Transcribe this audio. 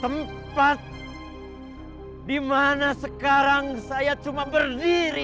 tempat di mana sekarang saya cuma berdiri